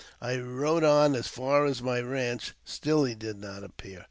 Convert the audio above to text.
I rode on as far as my ranch ; still he did not appear.